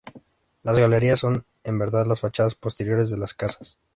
Las galerías son, en verdad, las fachadas posteriores de las casas.